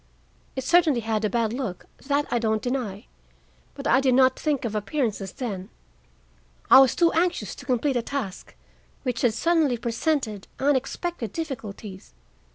"It certainly had a bad look,—that I don't deny; but I did not think of appearances then. I was too anxious to complete a task which had suddenly presented unexpected difficulties.